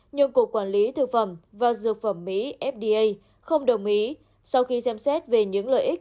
nhưng cục quản lý thực phẩm và dược phẩm mỹ fda không đồng ý sau khi xem xét về những lợi ích